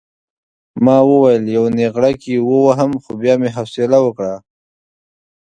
ما ویل یو نېغړک یې ووهم خو بیا مې حوصله وکړه.